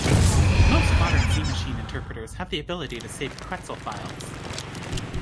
Most modern Z-machine interpreters have the ability to save Quetzal files.